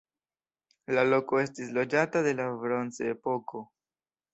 La loko estis loĝata de la bronzepoko.